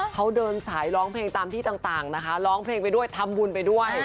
เขาเดินสายร้องเพลงตามที่ต่างนะคะร้องเพลงไปด้วยทำบุญไปด้วย